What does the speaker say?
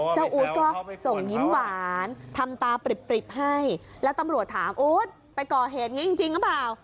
อู๊ดก็ส่งยิ้มหวานทำตาปริบให้แล้วตำรวจถามอู๊ดไปก่อเหตุอย่างนี้จริงหรือเปล่า